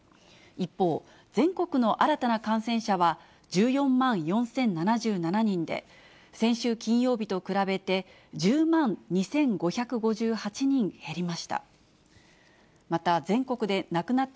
一方、全国の新たな感染者は１４万４０７７人で、先週金曜日と比べて１０万２５５８人減りました。